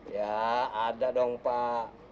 ya ada dong pak